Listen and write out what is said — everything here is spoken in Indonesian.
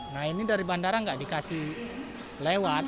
nah ini dari bandara nggak dikasih lewat